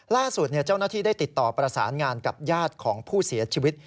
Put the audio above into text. ล่าสุดเจ้าหน้าที่ได้ติดต่อประสานงานกับญาติของผู้เสียชีวิต